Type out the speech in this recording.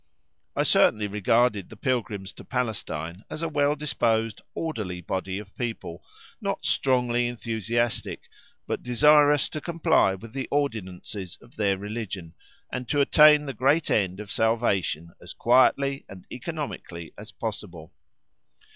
I certainly regarded the pilgrims to Palestine as a well disposed orderly body of people, not strongly enthusiastic, but desirous to comply with the ordinances of their religion, and to attain the great end of salvation as quietly and economically as possible.